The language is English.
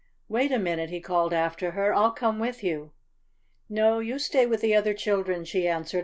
"Wait a minute!" he called after her. "I'll come with you!" "No, you stay with the other children," she answered.